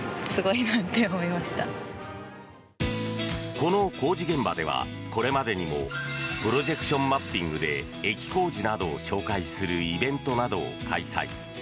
この工事現場ではこれまでにもプロジェクションマッピングで駅工事などを紹介するイベントなどを開催。